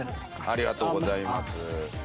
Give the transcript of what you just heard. ありがとうございます。